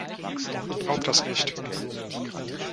Glaub das nicht.